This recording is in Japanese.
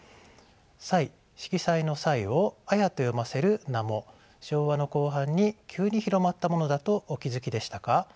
色彩の「彩」を「あや」と読ませる名も昭和の後半に急に広まったものだとお気付きでしたか？